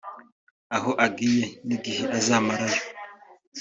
aho agiye n’igihe azamara yo